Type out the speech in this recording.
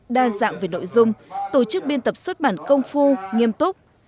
đa dạng về nội dung tổ chức biên tập xuất bản công phu nghiêm túc